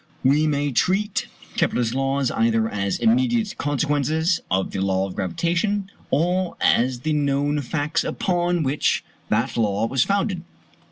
We may treat Kepler's laws either as immediate consequences of the law of gravitation, or as the known facts upon which that law was founded.